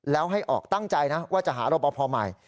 แล้วให้ออกตั้งใจนะว่าจะหารบพอใหม่